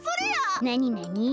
なになに？